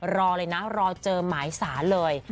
รอเลยนะรอเจอหมายสารเลย